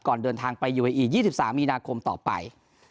เดินทางไปยูเออี๒๓มีนาคมต่อไป